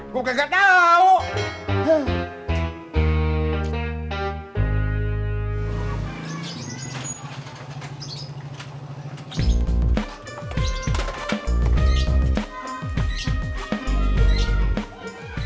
gue kagak tau